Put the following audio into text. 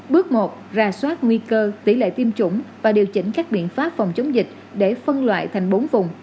bước một ra soát nguy cơ tỷ lệ tiêm chủng và điều chỉnh các biện pháp phòng chống dịch để phân loại thành bốn vùng